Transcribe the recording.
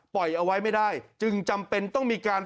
เอาไว้ไม่ได้จึงจำเป็นต้องมีการ